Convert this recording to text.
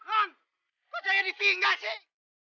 kang kau jaya di pinggang sih